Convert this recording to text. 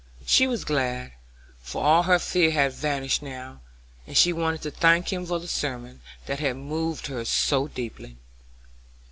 She was glad, for all her fear had vanished now, and she wanted to thank him for the sermon that had moved her so deeply.